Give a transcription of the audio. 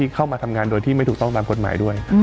เข้ามาทำงานโดยที่ไม่ถูกต้องตามกฎหมายด้วย